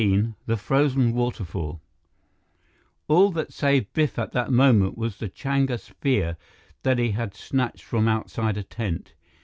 XVIII The Frozen Waterfall All that saved Biff at that moment was the Changpa spear that he had snatched from outside a tent.